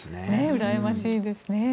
うらやましいですね。